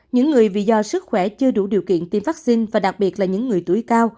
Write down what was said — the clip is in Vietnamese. những người vì do sức khỏe chưa đủ điều kiện tiêm vaccine và đặc biệt là những người tuổi cao